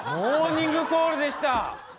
モーニングコールでした。